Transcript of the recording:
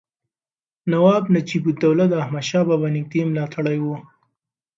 نواب نجیب الدوله د احمدشاه بابا نږدې ملاتړی و.